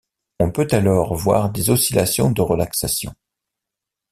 On peut alors voir des oscillations de relaxations.